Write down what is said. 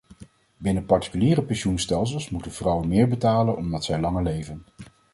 Binnen particuliere pensioenstelsels moeten vrouwen meer betalen omdat zij langer leven.